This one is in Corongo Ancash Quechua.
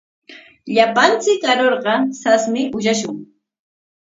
Llapanchik arurqa sasmi ushashun.